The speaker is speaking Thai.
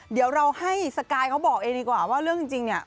เดี๋ยวเราให้สกายเขาบอกเองดีกว่าว่าเรื่องจริงเนี่ย